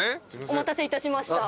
お待たせいたしました。